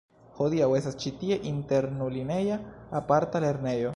Hodiaŭ estas ĉi tie internulineja aparta lernejo.